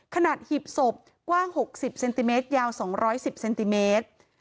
หีบศพกว้าง๖๐เซนติเมตรยาว๒๑๐เซนติเมตร